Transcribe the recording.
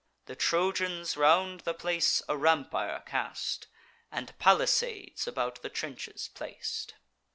The Trojans round the place a rampire cast, And palisades about the trenches plac'd.